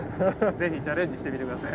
ぜひチャレンジしてみて下さい。